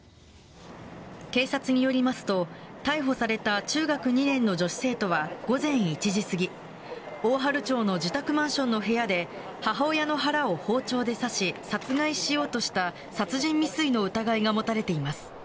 警察によりますと逮捕された中学２年の女子生徒は午前１時過ぎ大治町の自宅マンションの部屋で母親の腹を包丁で刺し殺害しようとした殺人未遂の疑いが持たれています。